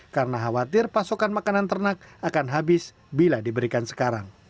karena khawatir pasokan makanan ternak akan habis bila diberikan sekarang